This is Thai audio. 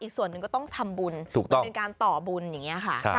ส่วนหนึ่งก็ต้องทำบุญเป็นการต่อบุญอย่างนี้ค่ะ